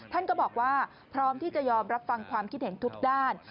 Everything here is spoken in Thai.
ท่านก็บอกว่าพร้อมที่จะยอมรับฟังความคิดเห็นทุกด้าน